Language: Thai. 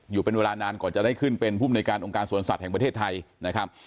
อยู่เป็นเวลานานก่อนจะได้ขึ้นเป็นภูมิในการองค์การสวนสัตว์แห่งประเทศไทยนะครับ